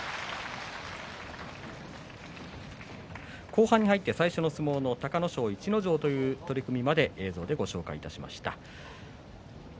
後半に入って最初の相撲の隆の勝、逸ノ城という取組まで映像でご紹介しました。